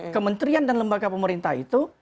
kementerian dan lembaga pemerintah itu